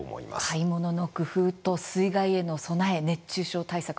買い物の工夫と水害への備え、熱中症対策